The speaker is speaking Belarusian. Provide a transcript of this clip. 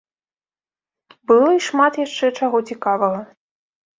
Было і шмат яшчэ чаго цікавага.